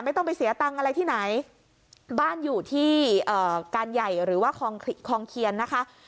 ไม่ต้องไปเสียตังค์อะไรที่ไหนบ้านอยู่ที่การใหญ่หรือว่าคลองเคียนนะคะ